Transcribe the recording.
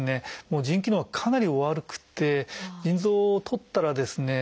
もう腎機能がかなりお悪くて腎臓をとったらですね